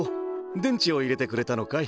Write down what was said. でんちをいれてくれたのかい？